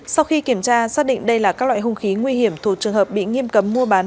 sau khi kiểm tra xác định đây là các loại hung khí nguy hiểm thuộc trường hợp bị nghiêm cấm mua bán